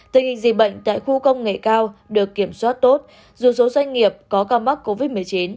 tình hình dịch bệnh tại khu công nghệ cao được kiểm soát tốt dù số doanh nghiệp có ca mắc covid một mươi chín